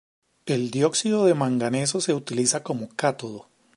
El dióxido de manganeso se utiliza como cátodo.